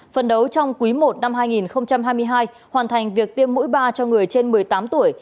phần đấu trong quý i năm hai nghìn hai mươi hai hoàn thành việc tiêm mũi ba cho người trên một mươi tám tuổi